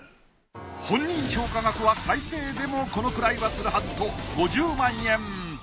本人評価額は最低でもこのくらいはするはずと５０万円。